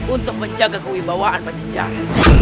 untuk menjaga kewibawaan pajajara